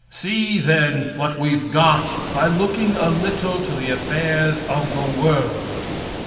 See, then, what we've got by looking a little to the affairs of the world!